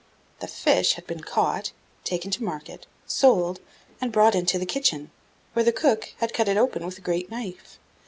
The fish had been caught, taken to market, sold, and brought into the kitchen, where the cook had cut it open with a great knife.